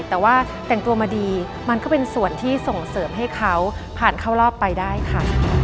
แต่ว่าแต่งตัวมาดีมันก็เป็นส่วนที่ส่งเสริมให้เขาผ่านเข้ารอบไปได้ค่ะ